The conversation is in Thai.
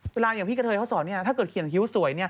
อย่างพี่กะเทยเขาสอนถ้าเกิดเขียนคิ้วสวย